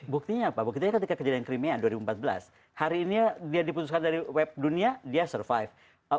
buktinya apa begitu ya ketika kejadian crimea dua ribu empat belas hari ini dia diputuskan dari web dunia dia survive